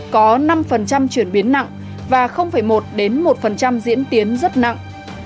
có năm chuyển biến nặng và một một diễn tiến rất nặng